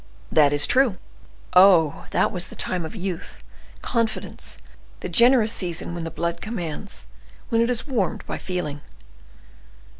'" "That is true. Oh! that was the time of youth, confidence, the generous season when the blood commands, when it is warmed by feeling!"